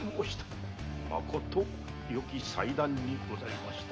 まことよき裁断にございました。